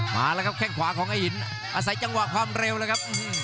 มาแล้วครับแค่งขวาของไอ้หินอาศัยจังหวะความเร็วเลยครับ